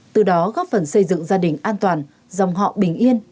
từ đó góp phần xây dựng gia đình an toàn dòng họ bình yên